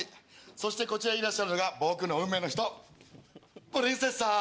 そしてこちらいらっしゃるのが僕の運命の人プリンセスさ！